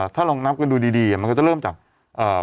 ถ้าลองนับกันดูดีมันก็จะเริ่มจาก